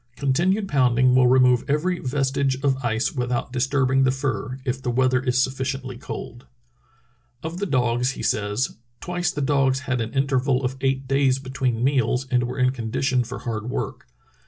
Continued pounding will remove every vestige of ice without dis turbing the fur, if the weather is sufficiently cold." Of the dogs he says: "Twice the dogs had an interval oT eight days between meals and were in condition for hard work.